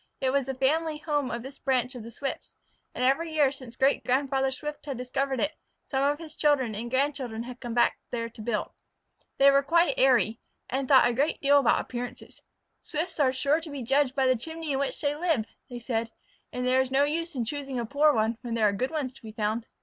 It was the family home of this branch of the Swifts, and every year since great grandfather Swift discovered it, some of his children and grandchildren had come back there to build. They were quite airy, and thought a great deal about appearances. "Swifts are sure to be judged by the chimney in which they live," they said, "and there is no use in choosing a poor one when there are good ones to be found."